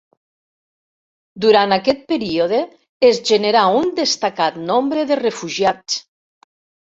Durant aquest període, es generà un destacat nombre de refugiats.